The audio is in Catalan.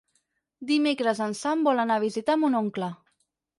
Dimecres en Sam vol anar a visitar mon oncle.